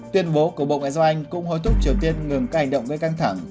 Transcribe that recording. tuyên bố của bộ ngoại giao anh cũng hối thúc triều tiên ngừng các hành động gây căng thẳng